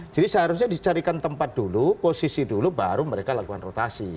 jadi seharusnya dicarikan tempat dulu posisi dulu baru mereka lakukan rotasi